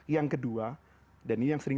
yang kedua dan ini yang sering